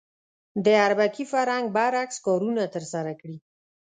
د اربکي فرهنګ برعکس کارونه ترسره کړي.